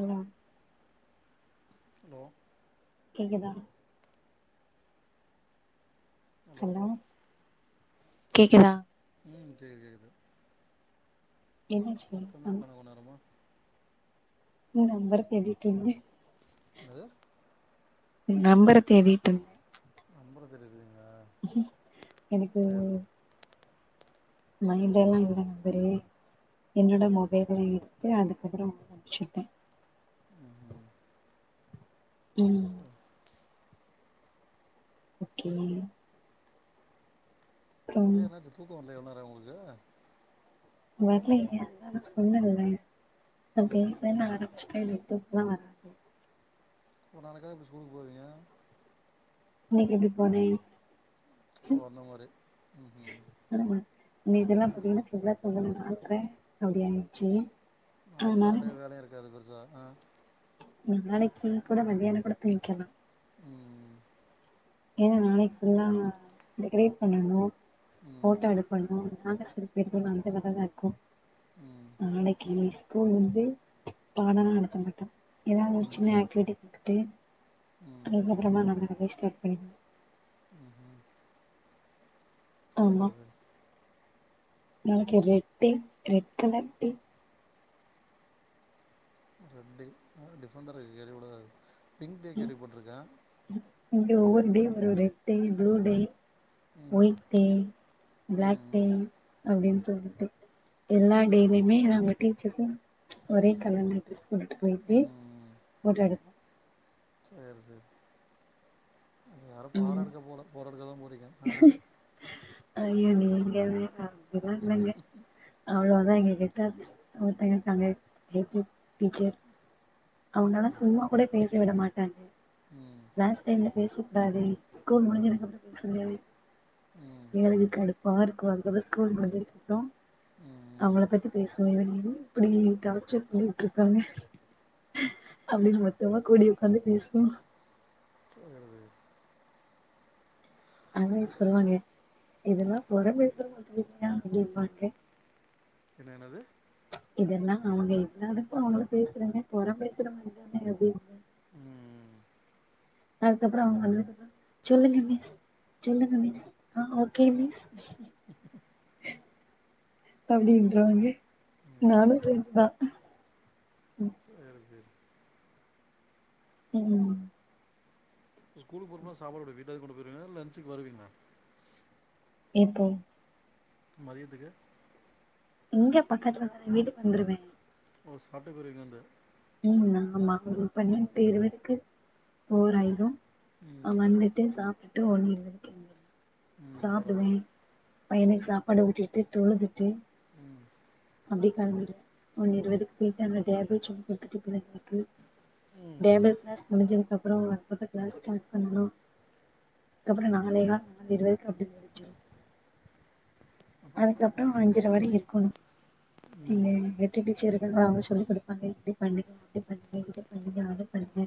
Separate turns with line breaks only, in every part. ஆமாம்
ஹலோ
கேக்குதா
ஹலோ
கேக்குதா
உம் கேக்குது கேக்குது
என்னாச்சு
சத்தமே கனவு நேரமா
நம்பர் கேட்டுடிங்க
இன்னது
நம்பற தேடிட்டு இருந்த
நம்பர தேடிட்டு இருந்த
எனக்கு மைண்ட்ல [inaudible] நம்பரே என்னோட
ம்
மொபைல்ல இரு க்கு அதுக்கப்புற அம்ச்சுட்டே
உ உ
ம்
செரி
ஓகே அப்புறம்
எ என்னாச்சி தூக்க வரலையா இந்நே ர உங்களுக்கு
வரலிங்க நா சொன்னல்ல
ம்
அப்டின் சொல்ல ஆரம் பிஷ்ட்டே எனக்கு தூக்க வராது
ஒரு நாளைக்கா இப்டி ஸ்கூலுக்கு போவீங்க
இன்னிக்கு எப்டி போதே
ஓ அந்த மாரி ம் ம்
அ ஆ நீ இதெல்லா
ஆ
பாத்தீங்கன்னா சொல்லா தோணு அம்சரே அப்டியா சேரி
நாளை சாட்டர்டே வேலயு இருக்காது பெருசா அ
நாளைக்கி கூட மத்தியான கூட தூங்க்கலா
ம்
ஏன்னா நாளைக் ஃபுல்லா இந்த கிரேட் பண்ணணு
ம்
போட்டோ எடுக்கனு நாங்க சிறு பேரு [unintelligible] இருக்கோ
ம்
நாளைக்கி ஸ் அப்போ வந்து பாட நடத்த மாட்டா எல்லா
ம்
[unintelligible] ஆக்டிவிட்டி டி
ம்
அதுக்கப்புறமா நம்ம உங்க இஷ்டம் பணிமாற
ம் ம்
ஆமா
சேரி சேரி
நாளைக்கு red day red colour day
red day December [unintelligible] pink day கேள்வி பட்ருக்கே
இங்க ஒவ்வொரு டே வரு ரெட் டே ப்ளூ டே
ம்
ஒயிட் டே பிளாக் டே
ம்
அப்டின் சொல்லிட்டு எல்லா டே லைமே நாங்க டீச்சர்ஸு ஒரே கலர்ல ட்ரெஸ் போட்டு போய்ட்டு
ம் ம்
ஃபோட்டோ எடுப்போ
சேரி சேரி யாரு பாடொ
ம்
எடுக்க போல ஃபோட்டோ எடுக்க தா போறிங் க ஆ
ஐய்ய நீ எங்க வேணா ங்கதா இருந்தங்க அவ்ளோ தா எங்க [unintelligible] ஒருத்தங்க இருக்காங்க [unintelligible] டீச்சர் அவனலா
ம்
சும்மா கூட பேச விட மாட் டாங்க
ம்
க்ளாஸ் டைம்ல பேச கூடாது ஸ்கூல் முடிஞ்சதுக்கப்றொ பேசுங்க
உம்
எங்களுக்கு கடுப்பா இருக்கு அதுக்கப்ற ஸ்கூல் முடிஞ்சதுக்கப்றொ
ம் ம்
அவுங்கள பத்தி பேசுவோ வெளிய இப்புடி டார்ச்சர் பண்ணிட்ருக்காங்க அப்டின் மொத்தமா கூடி ஒக்காந்து பேசுவோ
[unintelligible]
அதா சொல்வாங்க இதெல்லா பொறம் பேசுற [unintelligible] அப்டிம்பாங்க
என்ன என்னது
இதெல்லா அவுங்க இல்லாதப்போ அவுங்கள பேசுறனெ பொறம் பேசுற மாரிதானே அப்டினு
ம்
அதுக்கப்றொ அவுங்க வந்து சொல்லுங்க மிஸ் சொல்லுங்க மிஸ் ஆ ஓகே மிஸ்
ம் சேரி சேரி
உம்
ஸ்கூலுக்கு போறப்பல்லா சாப்பாடு வீட்லெந்து கொண்டு போய்ருவீங்ளா லஞ்ச்சுக்கு வருவீங்ளா
எப்போ
மதியத்துக்கு
இங்க பக்கத்துல தானே வீடு வந்துருவே
ஓ சாப்டே போய்டுவீங்க இங்கந்து
உம் ஆமா ஒரு பன்னெண்டு இருவதுக்கு ஓர் ஆயிரும்
ம்
அவுங்க வந்துட்டே சாப்டனு டு ஒன்னு இருவதுக்கு [inaudible]
ம்
சாப்டுவே
பரவால்ல
பையனுக் சாப்பாடு உட்டிட்டு தொழுதுட்டு
ம்
அப்டி கிளம்பிடுவே ஒன்னு இருவதுக்கு போயிட்டு அந்த டேபிள்ஸ் [unintelligible] [unintelligible]
ம்
டேபிள் கிளாஸ் முஞ்சதுக்கப் அப்புற [unintelligible] கிளாஸ் ஸ்டார்ட் பண்ணணு கப்புற நாங்கலேவா நால் இருவதுக்கு அப்டி பெல் அடிச்சிடு
அப்ப
அதுக்கப்புற அஞ்சர வரை இருக் கனு இல்ல
ம்
[unintelligible] எல்லா அவுங்க சொல்லிக் கொடுப்பாங்க இப்டி பண்ணுங்க அப்டி பண்ணுங்க இத பண்ணுங்க அத பண்ணுங்க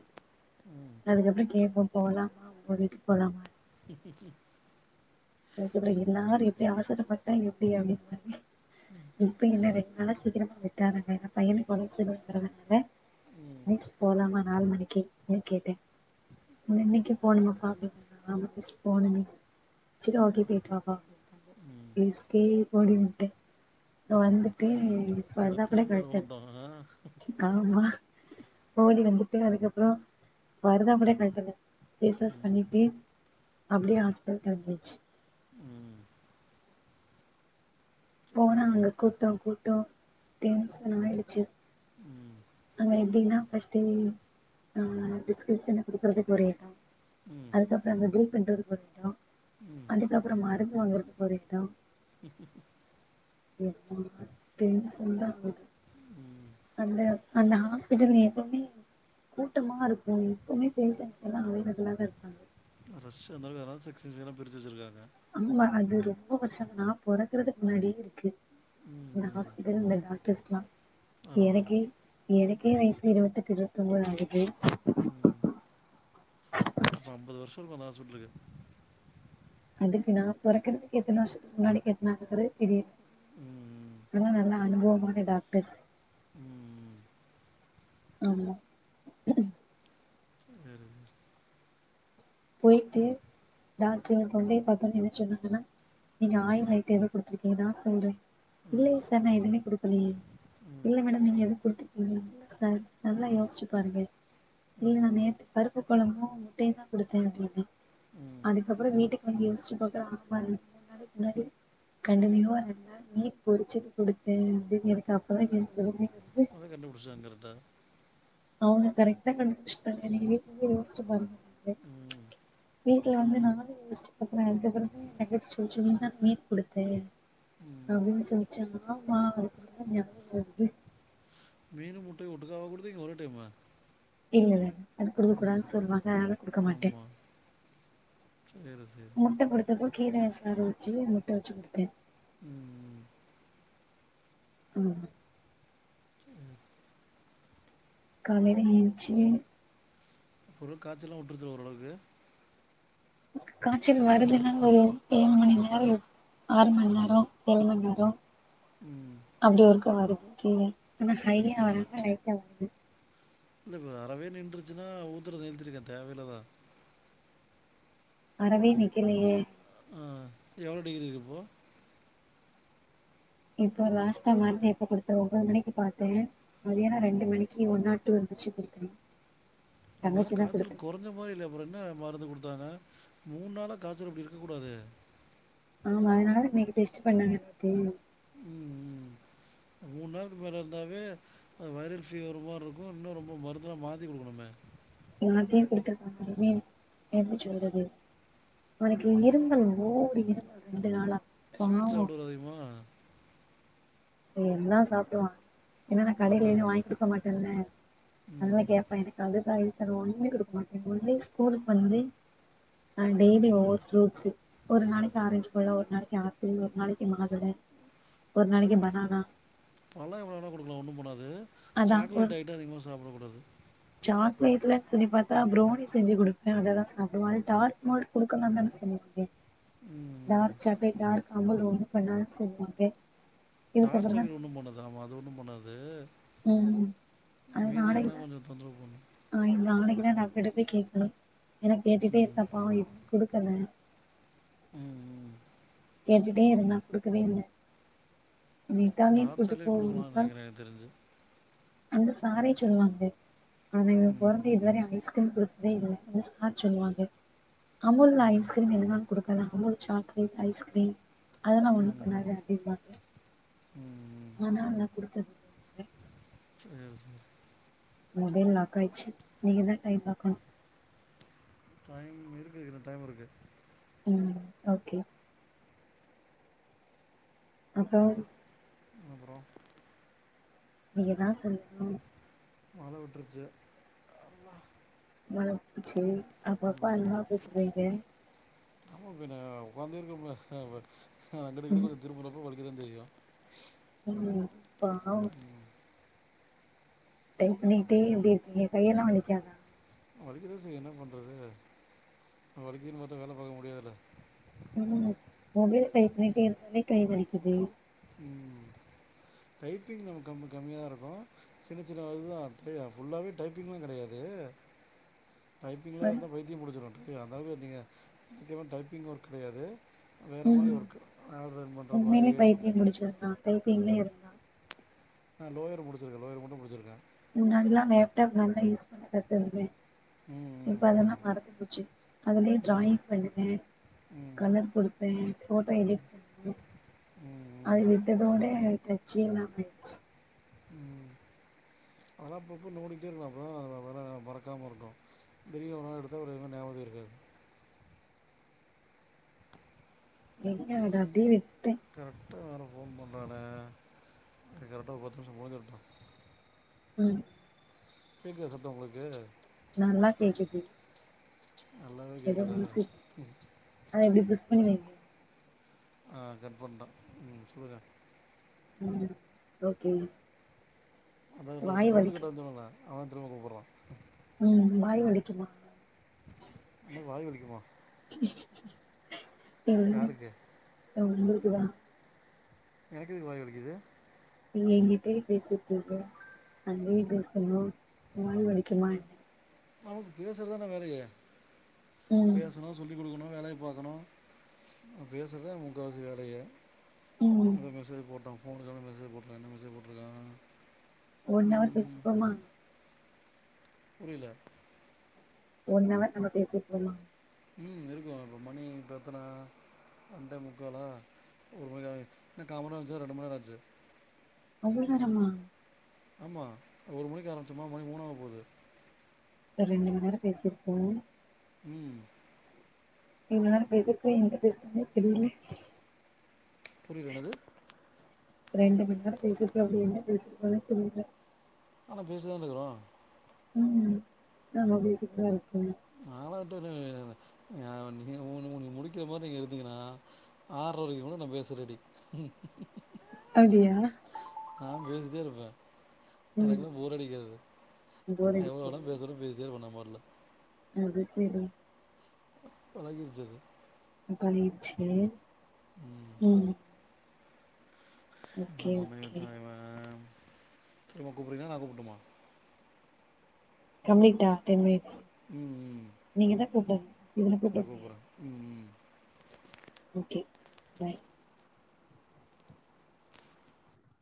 ம்
அதுக்கப்புற கேட்போம் போலாமா உங்க வீட்டுக்கு போலாமா
க்குங் க்குங்
எனக் எப்டி இருந்தமாரி இருந்து அவசர பட்டா எப்டி அதேமாரி இருப்பீங்கள ரெண்டு நாள சீக்கிரமா விட்டாங்க நேர பையனுக்கு ஒடம்பு சரியில்ங்கறவ வந்து
ம்
மிஸ் போலாமா நாலு மணிக்கு ஏ கேட்டே இன் இன்னிக்கு போணுமாப்பா அப்டி ஆமா மிஸ் போணு மிஸ் சில ஓகே கேட்ருவாப்பா
ம்
எஸ்கேப் ஒடிமுட்ட நா வந்துட்டே நீங்க
எடுத்தே
சொல்றப்பல
பாரு
கரெக்டா
ஓட்டோ ஆ
இருக் ஆமா ஓடி வந்துட்டு அதுக்கப்புற வருதாபில பேசல பிஸ்னஸ்
ம்
பண்ணிட்டு அப்டியே ஹாஸ்பிட்டல் கிளம்பியா ச்சி
ம் சேரி
போனா அங்க கூட்ட கூட்ட டென்சனாயிடுச்சி
ம்
அங்க எப்டின்னா ஃபஸ்ட்டைம் அ டிஸ்கிரிப்ஷன் குடுக்குறதுக்கு ஒரு எடோ
ம்
அதுக்கப்புற அங்க குரூப் எண்றதுக்கு ஒரு எடோ
ம்
அதுக்கப்புற மருந்து வாங்குறதுக்கு ஒரு எடோ டென்ஷன் தா ஆகுது
ம்
அந்த அந்த ஹாஸ்பிட்டல் எப்பவுமே கூட்டமா இருக்கு எப்பவுமே பேசன்ட் எல்லா அவைலபுளாவே இருப்பாங்க
ரஷ் அந்தளவு அதா செக்சன் செக்சனா பிரிச்சி வச்சிருக்கா
ஆமா அதுரு ரொம்ப பிரச்சன நா பொறக்கறதுக்கு முன்னாடியே இருக்கு இந்த
ம்
ஹாஸ்பிட்டல் இந்த டாக்டர்ஸ்ல்லா
பரவாயில்ல
எனக்கே எனக்கே வயசு இருவத்தெட்டு இருவத்தொம்போது
ம்
[inaudible]
அப்போ ஐம்பது [unintelligible]
அதுக்கு நா பொறக்கிறதுக்கு எத்தன வருஷத்துக்கு முன்னாடி கட்னாங்கிறது தெரியல
ம்
ஆனா நல்ல அனுபவமான டாக்டர்ஸ்
ம்
ஆமா
சரி சரி
போயிட்டு டாக்டர் தொண்டைய பார்த்தோன்ன என்ன சொன்னாங்கன்னா நீங்க ஆயில் ஐட்ட எதோ குடுத்துருக்கீங்க நா சொல்றே
ம்
இல்லயே சார் நா எதுவுமே குடுக்கலையே
ம்
இல்ல மேடம் நீங்க எதுவு குடுத்துருக்கீங்க இல்ல சார் நல்லா யோஸ்சு பாருங்க இல்ல
ம்
நா நேத்து பருப்பு கொளம்போ முட்டயுந்தா குடுத்தே அப்டின்னு
ம்
அதுக்கப்புற வீட்டுக்கு வந்து யோஸ்சி பாக்குற ஆமா ரெண்டு மூணு நாளைக்கு முன்னாடி கண்டினியுவா ரெண்டு நாள் மீன் பொரிச்சு குடுத்தே அப்டின்னு எனக்கு அப்பவே [unintelligible]
அத கண்டு பிடிச்சாங்கரதா
அவுங்க கரெக்டா கண்டுபிடிச்சிட்டாங்க நீங்கலே போயி யோஸ்சி பாருங்க
ம்
[unintelligible] வீட்ல வந்து நானு யோஸ்சி பாக்குறே அதுக்கப்புறந்தா எனக்கு பொறிச்ச மீன் தா மீன் குடுத்தே
ம்
அப்டின் சொல்லிச்சே ஆமா அதுக்கப்புறந்தா நியாபக வருது
மீனு முட்டை ஒட்டுகாவா குடுதீங்க ஒரே டைமா
இல்ல இல்ல அது கொடுக்க
ம்
கூடாதுனு சொல்லுவாங்க அதனால கொடுக்க மாட்டேன்
ஆமாம் சரி சரி
முட்டை கொடுத்தப்போ கீரை ஆர வச்சு முட்ட அவுச்சி கொடுத்தேன்
உம்
உம்
உம்
காலைல ஏந்ச்சி
பொருள் காய்ச்ச எல்லாம் விட்டுருச்ச ஓரளவுக்கு
காய்சல்வருதுன்னா ஒரு ஏழு மணி நேரம் ஆறு மணி நேரம் ஏழு மணி நேரம்
ம்
அப்படி ஒருக்க வருது ஆனா ஹையா வராமா லைட்டா வருது
இல்ல வறதே நின்றுச்சுன்னா ஊத்துரத நிருத்திடுங்க தேவ இல்லதா
அரவே நிக்கலையே
ஆஹ் எவ்வளோ டிகிரி இருக்குப்போ
இப்போ லாஸ்டா மருந்து எப்ப கொடுத்தன் ஒன்பது மணிக்கு பாத்தேன் மதியானம் ரெண்டு மணிக்கு ஒன்னார் டூ இருந்துச்சு கொடுத்தேன்
ஆமா காச்சல் குறைஞ்ச மாரி இல்ல அப்புறம் என்ன மருந்து கொடுத்தாங்க மூணு நாளா காச்சல் இப்படி இருக்க கூடாதே
ஆமா அதனால இன்னைக்கு டெஸ்ட் பண்ணலானு இருக்கே
உம் மூணு நாளைக்கு மேல இருந்தாலே அது வைரல் பீவர் மாரி இருக்கும் இன்னும் ரொம்ப மருந்து மாத்தி கொடுக்கணுமே
ல்லாத்தையும் கொடுத்துருக்குமே என்ன சொல்றது அவனுக்கு இருமல்ஓவர் இருமல் ரெண்டு நாளா
ஸ்வீட்ஸ்
பாவோ
சாப்படுவானா அதிகமா
எல்லாம் சாப்பிடுவான் ஏன்னா
அதான்
கடயிலேயும் வாங்கி கொடுக்க மாட்டேன்ல
ம்
அதல்லான் கேட்பேன் எனக்கு அதுதான் கொடுக்க மாட்டேங்க ஒன் ஸ்கூலுக்கு வந்து டெய்லி ஒவ்வொரு ஃப்ரூட்ஸ ஒரு நாளைக்கு ஆரஞ்சு பழம் ஒரு நாளைக்கு ஆப்பிள் ஒரு நாளைக்கு மாதுளை ஒரு நாளைக்கு ம ஆஹ்
பழம் எவ்ளோ வேணுனா குடுக்கலா ஒன்னும் பண்ணாது து
அதா
சாக்லேட் ஐட்டம் அதிகமா சாப்டக்கூடாது
சாக்லேட்லு சொல்லி பார்த்தா ப்ரோனி செஞ்சு கொடுப்பேன் அதான் சாப்படுவ அது டார்க் மால்ட் கொடுக்கலாம்னு தானே சொன்னீங்க
ம்
டார்க் சாக்லேட் டார்க் கம்பல் ரொம்ப பண்ணாதனது சொல்வாங்க
டார்க் சாக்லேட் ஒண்ணும் பண்ணாது அது ஒண்ணும் பண்ணாது அது
உம்அது நாளைக்குத்தான்
கொஞ்சம் தொந்தரவு பண்ணும்
ஆஹ் இந்த நாளைக்கு தான் நான் டாக்டர் ட போய் கேட்கணும் என கேட்டுட்டே
ம்
இருந்தப்பா குடுக்கல
உம் உம்
கேட்டுட்டே இரு நான் கொடுக்கவே இல்ல நீதாங்க
டார்க்
கூட்டு போ
சாக்லேட் கொடுக்கலாம்னு
ரீதா
நினைக்கிறேன் எனக்கு தெரிஞ்சு
அந்த சாரே சொல்லுவாங்க ஆனா இங்க
ம்
பொறந்து இதுவரையும் அ கொடுத்ததே என் சார் சொல்லுவாங்க அமுல்
ம்
ஐஸ்கிரீம் எதுணா கொடுக்க அமுல் சாக்லட் ஐஸ்கிரீம் ப்ப அதெல்லாம் ஒண்ணும்
ம்
பண்ணாத அப்டிமா
ம் ம்
ஆனா நல்ல குடிச்சது மாற
உம்
மொபைல் லாக் ஆயிடுச்சு நீங்க தான் டை ம் பாக்கணும்
டைம் இருக்குக்குன்ன டைம் இருக்கு
ம் ஓகே அப்போ
அப்பறோம்
நீங்கதான் சொல்ணும்
மழை விட்டுருச்சு
சேரி அப்ப அப்பா அா கூப்பிட்டு போயது [unintelligible]
ஆமாக பின்ன உட்காந்து இருக்க முடிய அங்குட்டு இங்குட்டு திரும்புரப்ப வலி து தெரியா
உம் [unintelligible] டைப் பண்ணிட்டே எப்டி இருக்கீங்க கையெல்லாம் வலிக்காதா
வலிக்கதான் செய்யும் என்ன பண்றது வலிக்குதுனுபாத்த வேலை பாக்க முடியாதுல்ல
உம் மொபைல் டைப் பண்ணிட்டு இருந்தாலே கை வலிக்குது
உம் டைப்பிங் நமக்கு கம் கம்மியா இருக்கும் சின்ன சின்ன இது தான் ஃபுல்லாவே டைப்பிங்லாம் கிடையாது டைப்பிங்லே இருந்தா பைத்தியம் புடிச்சிரும் அதாவது எப்டிங்க இங்கெலாம் டைப்பிங் ஒர்க் கிடையாது வேற மாரி
ம்
ஒர்க்கு ஆடர்ன் பண்ற மாரியே
டைப்பிங்லே இருந்தான்
அஹ லோயர் முடிச்சிருக்கேன் லோயர் மட்டும் முடிச்சிருக்கேன்
முன்னாடில்லாம் லேப்டாப் நல்ல யூஸ் பண்ண கத்துருந்தேன் இப்ப
ம்
அதெல்லாம் மறந்து போச்சு அதுலயே
ம் ம்
டிராயிங் பண்ணுவேன்
ம் ம்
கலர் கொடுப்பேன் போட்டோ எடிட் பண்ணுவேன்
ம் ம்
அது விட்டதோட டச்சேயில்லாம போயிருச்சு
உம் அதலாம் அப்பப்ப நோன்டிட்டே இருக்கலாம் அப்பதான் வேற மறக்காம இருக்கும் திடீர்னு ஒருனால் எடுத்தா வேற எதுமே ஞாபகத்துக்கு இருக்காது
[unintelligible]
கரெக்ட் கரெக்டா வேற போன் பண்ணுறானே கரெக்டா பத்து நிமிஷம் முடிஞ்சுருட்டும்
உம்
கேக்குதா சத்தம் உங்களுக்கு
நல்லா கேக்குது
நல்லாவே
ஏதோ
கேட்குதா
முடிச ஆனா எப்படி புஷ் பண்ணி வைங்க [unintelligible]
ஆஹ கட்பன்டேன் உம் சொல்லுங்க
உம் ஓகேங்க
அத ஒரு டவுட் கிட்ட வந்துங்க [unintelligible] அவன் திரும்ப கூப்புறான்
உம் வாய் வலிக்குமா
என்ன வாய் வலிக்குமா
[unintelligible]
யாருக்கு
உங்களுக்குதான்
எனக்கு எதுக்கு வாய் வலிக்குது
எங்கிட்டயே பேசிட்டீங்க அங்கையும் பேசணும் வாய் வலிக்குமா என்ன
நமக்கு பேசறதானே வேலையே
ம்
பேசனும் சொல்லி் கொடுக்கணும் வேலையை பார்க்கணும் ந பேசுறத முக்கவசி வேலைய
ம்
இ மெசேஜ் போட்டம் ஃபோக்கு மெசேஜ் போட்டுறேன் என்ன மெசே் போட்டிருக்கான்
ஒன்ன அவஹவர்
ம்,
பேசுப்போமா
புரியல
ஒண்ண அவவர் நம்ம பேசி இருப்போமா
ம் இருக்கும் இப்போ மணி இப்போ எத்தனை அண்ட முக்காலா ஒரு மணி என்ன காமரம்ந்துச்ச ரெண்டு மணி நேரம் ஆச்சு
விரமா
ஆமா ஒரு மணக்கு ஆரம்பிச்சோமா மணிக்கு மூணு ஆக போகுது
ரெண்டு மணி நேரம் பேசிருக்கோம்
உம்
இவ்ளவு நான் பேசி இருக்கும் என்ன பேசுறதுன்னு தெரியல
புரியல என்னது
ரெண்டு மணி நேரம் பேசட்டு அப்படி என்ன பேசிட்டு போனே தெரியல
ஆனா பேசிதான் இருக்கறோம்
உம் நம வீட்டுக்குான் இருக்க
நானா நீ உ உ முடிக்கிற மாதிரி நீங்க இருடுத்தீங்கன்னா ஆற வரைக்கும் கூட நான் பேசுற அடி
அப்படியா
ஆ பேசிட்டு இருப்பேன்
ம்
எனக்கும் போஊர் அடிக்காது
போர்
எவ்வளவு வேணும்
அடிக்குது
பேசும் பேசினே இருப்ப நானு முரல்ல
அது சரி
ஒக இருஜது
பளிச்சி
ம்
உம்
என்ன பண்ணி
ஓகே
வச்சா இவ நமா கூப்பிறீங்கா நான் கூப்பிட்டுமா
கம்ப்ளீட்டா டென் மினிட்ஸ்
உம் உம்
நீங்கதா கூப்டனு இதுல கூப்ட
சரி
முடியாது
கூப்பிடுறேன் உம் உம்
ஓகே பாய்